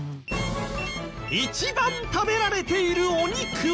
一番食べられているお肉は。